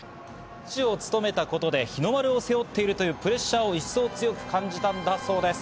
旗手を務めたことで日の丸を背負っているというプレッシャーを一層強く感じたんだそうです。